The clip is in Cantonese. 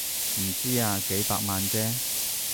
唔知啊，幾百萬啫